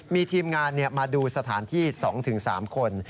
มีทีมงานมาดูสถานที่๒๓คน